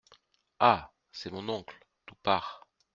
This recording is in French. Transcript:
Ah ! c'est mon oncle Toupart !